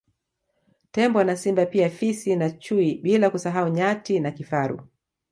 Tembo na Simba pia Fisi na chui bila kusahau Nyati na Kifaru